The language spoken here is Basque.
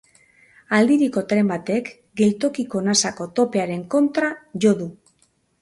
Aldiriko tren batek geltokiko nasako topearen kontra jo du.